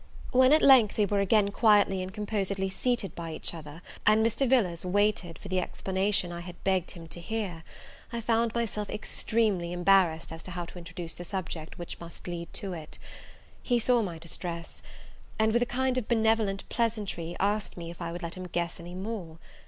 When at length we were again quietly and composedly seated by each other, and Mr. Villars waited for the explanation I had begged him to hear, I found myself extremely embarrassed how to introduce the subject which must lead to it. He saw my distress; and with a kind of benevolent pleasantry, asked me if I would let him guess any more?